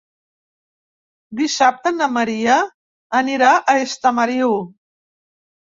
Dissabte na Maria anirà a Estamariu.